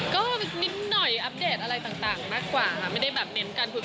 ก็นิดหน่อยอัปเดตอะไรต่างมากกว่าค่ะไม่ได้แบบเน้นการคุยกัน